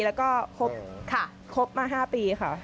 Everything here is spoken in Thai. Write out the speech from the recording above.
แล้วก็ครบมา๕ปีค่ะ